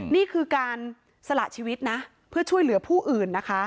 นี่คือการสละชีวิตนะเพื่อช่วยเหลือผู้อื่นนะคะ